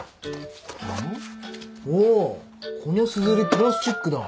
おおこのすずりプラスチックだ。